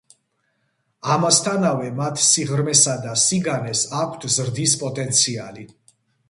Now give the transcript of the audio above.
ამასთანავე მათ სიღრმესა და სიგანეს აქვთ ზრდის პოტენციალი.